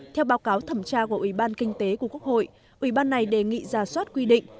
theo báo cáo thẩm tra của ủy ban kinh tế của quốc hội ủy ban này đề nghị ra soát quy định